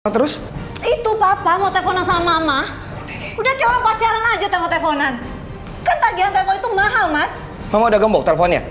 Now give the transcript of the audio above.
tidak ada yang bisa